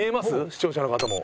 視聴者の方も。